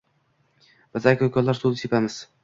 Biz aka-ukalar suv sepamiz.